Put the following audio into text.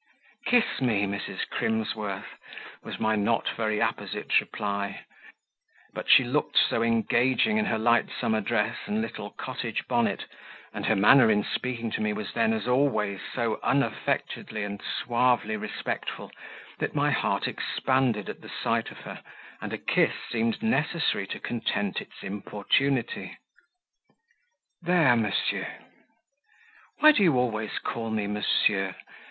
"Kiss me, Mrs. Crimsworth," was my not very apposite reply; but she looked so engaging in her light summer dress and little cottage bonnet, and her manner in speaking to me was then, as always, so unaffectedly and suavely respectful, that my heart expanded at the sight of her, and a kiss seemed necessary to content its importunity. "There, monsieur." "Why do you always call me 'Monsieur'?